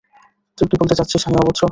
তুই কি বলতে চাচ্ছিস, আমি অভদ্র?